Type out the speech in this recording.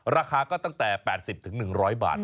ราคาก็ตั้งแต่๘๐๑๐๐บาท